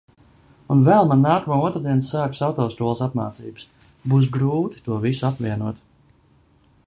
Un vēl man nākamo otrdienu sākas autoskolas apmācības. Būs grūti to visu apvienot.